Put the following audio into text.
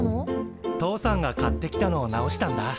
父さんが買ってきたのを直したんだ。